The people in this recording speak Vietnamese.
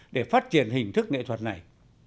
để phát triển hình thức nghệ thuật này